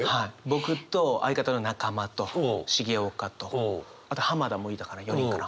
僕と相方の中間と重岡とあと田もいたかな４人かな。